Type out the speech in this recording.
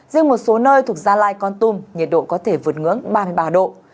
riêng một số nơi thuộc gia lai con tum nhiệt độ có thể vượt ngưỡng ba mươi ba độ